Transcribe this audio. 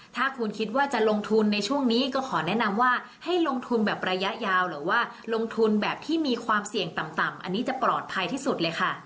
ถ้าคุณคิดว่าจะลงทุนในช่วงนี้ก็ขอแนะนำว่าให้ลงทุนแบบระยะยาวหรือว่าลงทุนแบบที่มีความเสี่ยงต่ำอันนี้จะปลอดภัยที่สุดเลยค่ะ